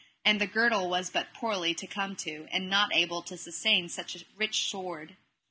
And the girdle was but poorly to come to, and not able to sustain such a rich sword.